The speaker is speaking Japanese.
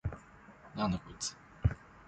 なんだこいつ！？